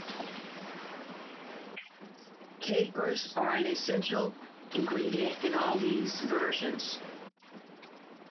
Capers are an essential ingredient in all these versions.